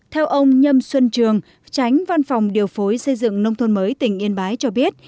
theo ông nhâm xuân trường tránh văn phòng điều phối xây dựng nông thôn mới tỉnh yên bái